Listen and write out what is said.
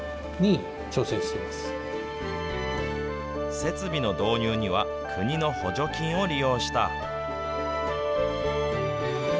設備の導入には、国の補助金を利用した。